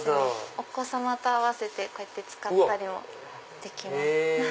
お子様と合わせてこうやって使ったりもできます。